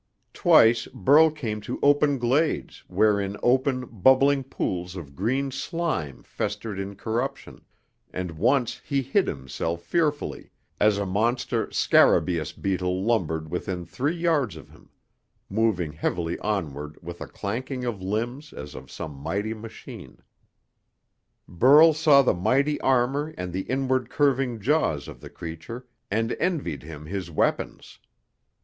Twice Burl came to open glades wherein open, bubbling pools of green slime festered in corruption, and once he hid himself fearfully as a monster scarabeus beetle lumbered within three yards of him, moving heavily onward with a clanking of limbs as of some mighty machine. Burl saw the mighty armour and the inward curving jaws of the creature, and envied him his weapons.